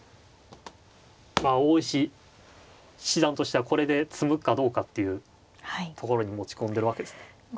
まあ大石七段としてはこれで詰むかどうかっていうところに持ち込んでるわけですね。